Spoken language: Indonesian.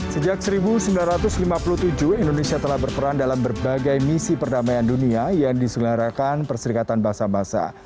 sejak seribu sembilan ratus lima puluh tujuh indonesia telah berperan dalam berbagai misi perdamaian dunia yang diselenggarakan perserikatan basa basa